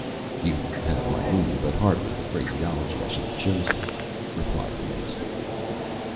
"You have my meaning, but hardly the phraseology I should have chosen," replied the minister.